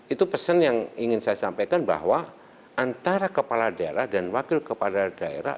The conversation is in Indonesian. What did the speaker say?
itu pesan yang ingin saya sampaikan bahwa antara kepala daerah dan wakil kepala daerah